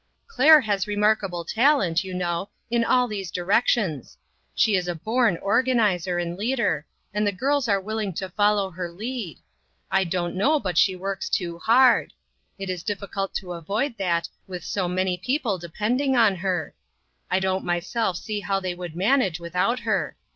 " Claire has remarkable talent, you know, in all these directions. She is a born organizer, and leader, and the girls are will ing to follow her lead. I don't know but she works too hard. It is difficult to avoid that, with so many people depending on her REACHING INTO TO MORROW. II I don't myself see how they would manage without her.